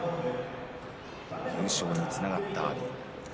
優勝につながった阿炎。